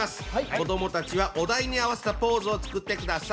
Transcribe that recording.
子どもたちはお題に合わせたポーズを作ってください。